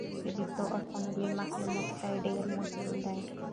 چې د څو اړخونو له مخې موږ ته ډېره مهمه ده.